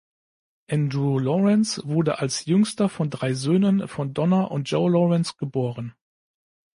Andrew Lawrence wurde als jüngster von drei Söhnen von Donna und Joe Lawrence geboren.